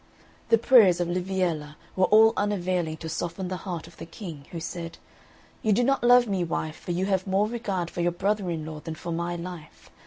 The prayers of Liviella were all unavailing to soften the heart of the King, who said, "You do not love me, wife, for you have more regard for your brother in law than for my life.